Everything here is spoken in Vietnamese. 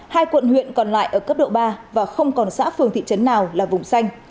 hai quận huyện còn lại ở cấp độ ba và không còn xã phường thị trấn nào là vùng xanh